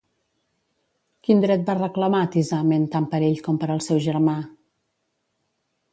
Quin dret va reclamar Tisamen tant per ell com per al seu germà?